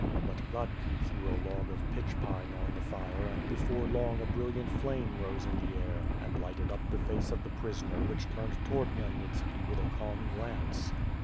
But Hladki threw a log of pitch pine on the fire and before long a brilliant flame rose in the air and lighted up the face of the prisoner which turned towards Khmyelnitski with a calm glance.